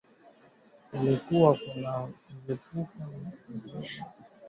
Ikiwa kuna mlipuko mizoga ya wanyama wafu uchafu wanaoutoa na vitoto vilivyokufa tumboni vinafaa